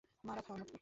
মারা খা মোটকু।